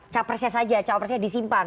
cawapresnya saja cawapresnya disini